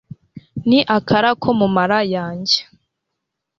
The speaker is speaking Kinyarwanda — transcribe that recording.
ni akara ko mu mara yanjye